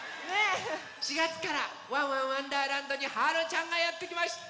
４がつから「ワンワンわんだーらんど」にはるちゃんがやってきました！